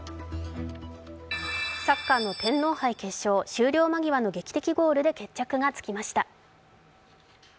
サッカーの天皇杯決勝終了間際の劇的ゴールで決着がつきました。